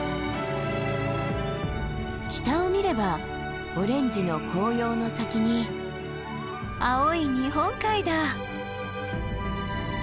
北を見ればオレンジの紅葉の先に青い日本海だ。